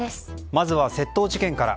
まずは窃盗事件から。